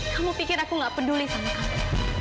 kamu pikir aku gak peduli sama kamu